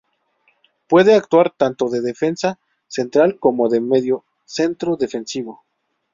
Puede actuar tanto de defensa central como de mediocentro defensivo.